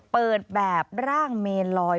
เปิดแบบร่างเมลอย